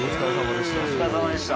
お疲れさまでした。